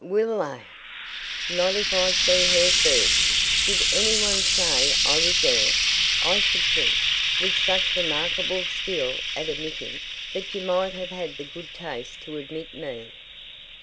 "Will, eh? Not if I see her first. Did any one say I was there? I should think, with such remarkable skill at omitting, that you might have had the good taste to omit me."